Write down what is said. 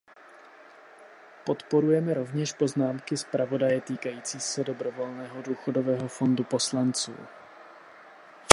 Podporujeme rovněž poznámky zpravodaje týkající se dobrovolného důchodového fondu poslanců.